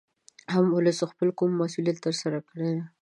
عام ولس خپل کوم مسولیت تر سره کړی دی